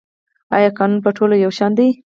آیا قانون په ټولو یو شان دی؟